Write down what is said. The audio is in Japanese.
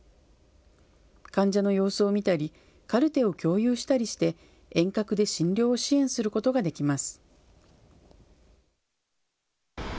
患者の様子を見たりカルテを共有したりして遠隔で診療を支援することができます。